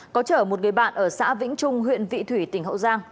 có chở một người bạn ở xã vĩnh trung huyện vị thủy tỉnh hậu giang